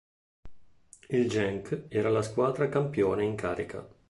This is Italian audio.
Il Genk era la squadra campione in carica.